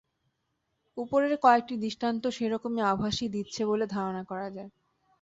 ওপরের কয়েকটি দৃষ্টান্ত সে রকম আভাসই দিচ্ছে বলে ধারণা করা যায়।